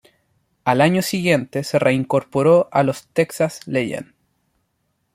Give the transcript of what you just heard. Al año siguiente se reincorporó a los Texas Legends.